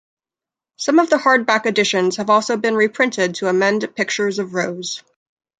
Some of the hardback editions have also been reprinted to amend pictures of Rose.